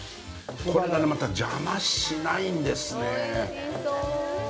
これが、また邪魔しないんですね。